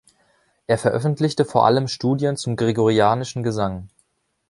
Er veröffentlichte vor allem Studien zum gregorianischen Gesang.